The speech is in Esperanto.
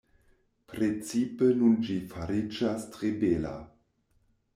Precipe nun ĝi fariĝas tre bela.